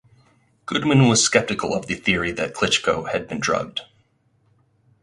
Goodman was skeptical of the theory that Klitschko had been drugged.